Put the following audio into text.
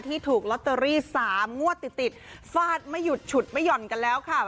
ถูกลอตเตอรี่๓งวดติดติดฟาดไม่หยุดฉุดไม่ห่อนกันแล้วค่ะ